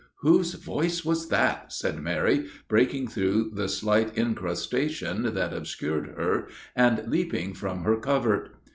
"Whose voice was that?" said Mary, breaking through the slight incrustation that obscured her, and leaping from her covert.